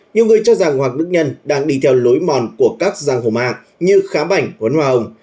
nhiều người cho rằng hoàng đức nhân đang đi theo lối mòn của các giang hồ mạng như khám ảnh huấn hòa hồng